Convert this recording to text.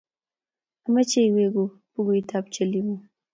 Amache iweku pukuit ap Chelimo